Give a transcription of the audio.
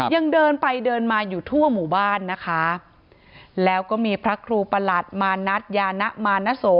ยังเดินไปเดินมาอยู่ทั่วหมู่บ้านนะคะแล้วก็มีพระครูประหลัดมานัทยานะมานโส